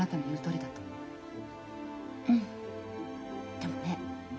でもね